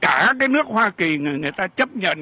cả cái nước hoa kỳ người ta chấp nhận